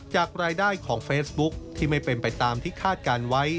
จากรายได้ของเฟซบุ๊คที่ไม่เป็นไปตามที่คาดการณ์ไว้